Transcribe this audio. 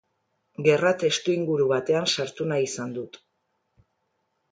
Gerra testuinguru batean sartu nahi izan dut.